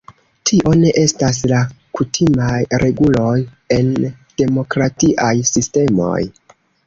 Tio ne estas la kutimaj reguloj en demokratiaj sistemoj.